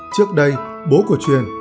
trước đây bố của truyền